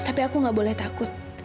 tapi aku gak boleh takut